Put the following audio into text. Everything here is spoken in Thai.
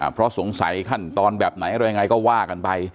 เพราะสงสัยขั้นตอนแบบไหนอะไรยังไงก็ว่ากันไป